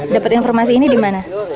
dapat informasi ini di mana